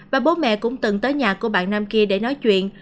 và bố mẹ cũng từng tới nhà của bạn nam kia để nói chuyện